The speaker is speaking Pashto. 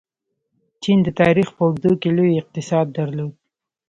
چین د تاریخ په اوږدو کې لوی اقتصاد درلود.